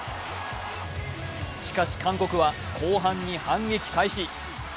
しかし韓国は後半に反撃開始。